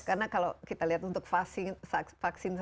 karena kalau kita lihat untuk vaksin saja kan susah banget ya